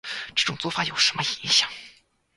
这种做法有什么影响